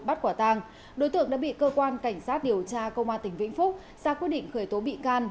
bắt quả tàng đối tượng đã bị cơ quan cảnh sát điều tra công an tỉnh vĩnh phúc ra quyết định khởi tố bị can